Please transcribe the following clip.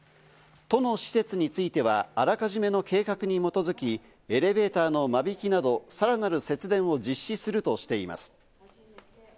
都の施設についてはあらかじめの計画に基づき、エレベーターの間引きなどをさらなる節電を実施するとしています。